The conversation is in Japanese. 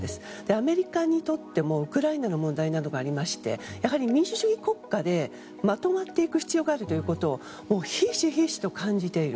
アメリカにとってもウクライナの問題に対して民主主義国家でまとまっていく必要があるということをひしひしと感じている。